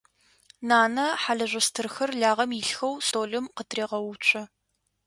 Нанэ хьалыжъо стырхэр лагъэм илъхэу столым къытырегъэуцо.